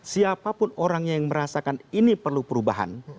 siapapun orangnya yang merasakan ini perlu perubahan